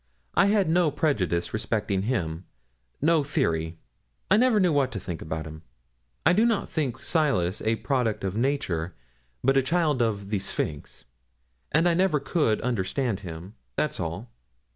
I had no prejudice respecting him no theory. I never knew what to think about him. I do not think Silas a product of nature, but a child of the Sphinx, and I never could understand him that's all.'